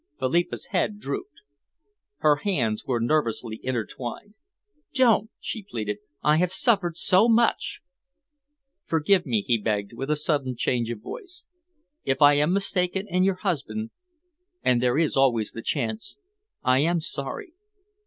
Philippa's head drooped. Her hands were nervously intertwined. "Don't!" she pleaded, "I have suffered so much." "Forgive me," he begged, with a sudden change of voice. "If I am mistaken in your husband and there is always the chance I am sorry.